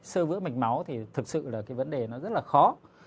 sơ vữa mạch máu thì thực sự là cái vấn đề nó rất là khó